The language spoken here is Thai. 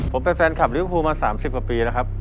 ผมเป็นแฟนคลับลิวภูมา๓๐กว่าปีแล้วครับ